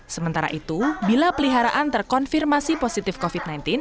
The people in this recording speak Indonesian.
sementara itu bila peliharaan terkonfirmasi positif covid sembilan belas